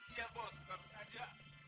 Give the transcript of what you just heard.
iya bos ga sengaja